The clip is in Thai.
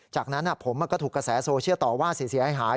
จากนั้นผมก็ถูกกระแสโซเชียลต่อว่าเสียหาย